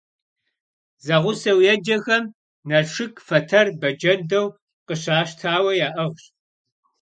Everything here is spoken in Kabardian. Зэгъусэу еджэхэм Налшык фэтэр бэджэндэу къыщащтауэ яӏыгъщ.